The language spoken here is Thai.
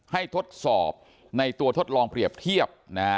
ทดสอบในตัวทดลองเปรียบเทียบ